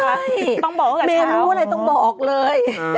ไม่ต้องบอกติดเถลงก่อนเมรูอะไรต้องบอกเลย